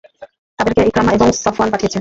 তাদেরকে ইকরামা এবং সফওয়ান পাঠিয়েছে।